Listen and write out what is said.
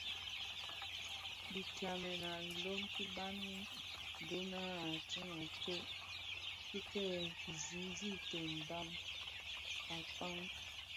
Dhi tsamèn a ilom ki baňi dhona tyèn a tsok ki kè sigsigten mbam akpaň.